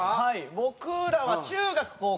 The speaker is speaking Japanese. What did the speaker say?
僕らは中学高校同級生。